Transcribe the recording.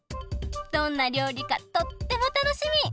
どんなりょうりかとっても楽しみ！